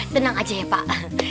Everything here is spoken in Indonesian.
tenang aja ya pak